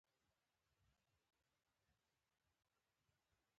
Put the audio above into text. ټول پر خاندي .